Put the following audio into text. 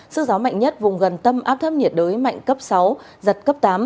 sức gió mạnh nhất vùng gần tâm áp thấp nhiệt đới mạnh cấp sáu giật cấp tám